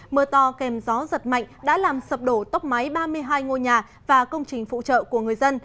mưa to kèm gió giật mạnh đã làm sập đổ tốc máy ba mươi hai ngôi nhà và công trình phụ trợ của người dân